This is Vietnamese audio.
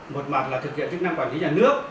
một mặt là thực hiện chức năng quản lý nhà nước